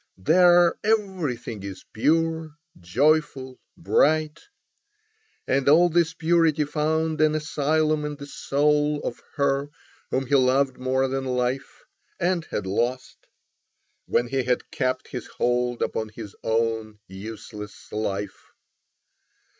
There everything is pure, joyful, bright. And all this purity found an asylum in the soul of her whom he loved more than life, and had lost—when he had kept his hold upon his own useless life.